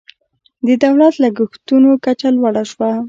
د دولت لګښتونو کچه لوړه شوه.